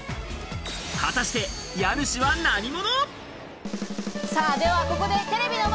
果たして家主は何者？